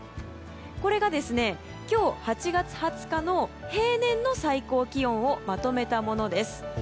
これが、今日８月２０日の平年の最高気温をまとめたものです。